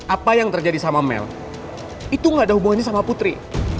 apa yang terjadi sama mel itu gak ada hubungannya sama putri